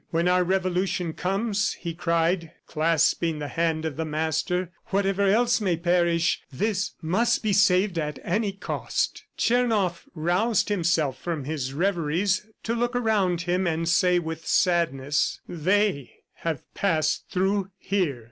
"When our revolution comes," he cried, clasping the hand of the master, "whatever else may perish, this must be saved at any cost!" Tchernoff roused himself from his reveries to look around him and say with sadness: "THEY have passed through here!"